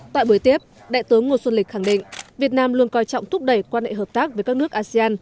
tại buổi tiếp đại tướng ngô xuân lịch khẳng định việt nam luôn coi trọng thúc đẩy quan hệ hợp tác với các nước asean